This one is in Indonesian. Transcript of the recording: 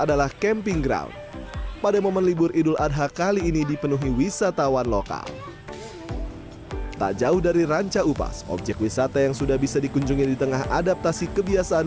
di sini terdapat penangkaran rusa yang berfungsi